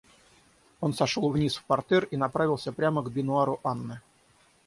Он сошел вниз в партер и направился прямо к бенуару Анны.